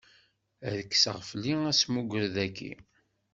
Ad kkseɣ fell-i asmugred-agi.